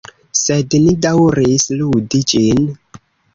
Sed ni daŭris ludi ĝin.